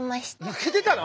抜けてたの？